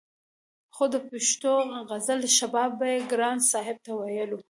خو د پښتو غزل شباب به يې ګران صاحب ته ويلو